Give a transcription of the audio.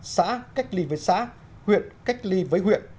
xã cách ly với xã huyện cách ly với huyện